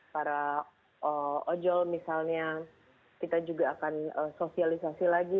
para ojol misalnya kita juga akan sosialisasi lagi